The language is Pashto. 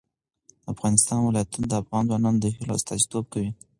د افغانستان ولايتونه د افغان ځوانانو د هیلو استازیتوب کوي.